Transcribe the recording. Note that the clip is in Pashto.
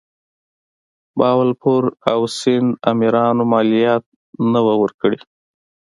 بهاولپور او سند امیرانو مالیات نه وه ورکړي.